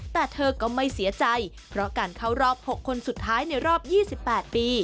แต่เธอก็ไม่เสียใจเพราะการเข้ารอบ๖คนสุดท้ายในรอบ๒๘ปี